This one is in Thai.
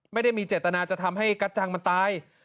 ไม่ได้มีเจตนาจะทำให้กระจังมันตาย